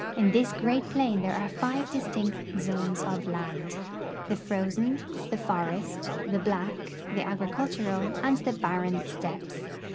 In this great plain there are five distinct zones of land : The frozen, the forest, the black, the agricultural, and the barren steppes.